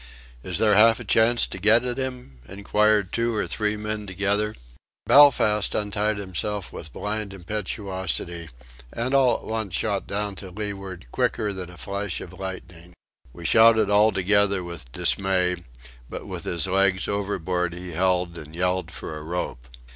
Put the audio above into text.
"Is there half a chance to get at 'im?" inquired two or three men together. Belfast untied himself with blind impetuosity, and all at once shot down to leeward quicker than a flash of lightning. We shouted all together with dismay; but with his legs overboard he held and yelled for a rope.